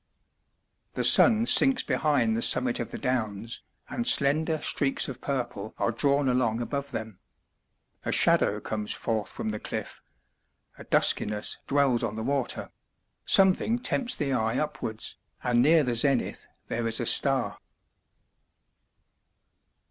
The sun sinks behind the summit of the Downs, and slender streaks of purple are drawn along above them. A shadow comes forth from the cliff; a duskiness dwells on the water; something tempts the eye upwards, and near the zenith there is a star.